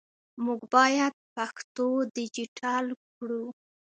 موږ باید پښتو ډیجیټل کړو